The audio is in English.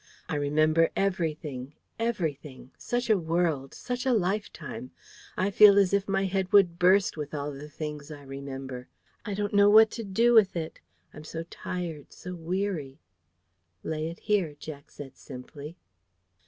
I remember everything everything such a world such a lifetime! I feel as if my head would burst with all the things I remember. I don't know what to do with it. I'm so tired, so weary." "Lay it here," Jack said simply.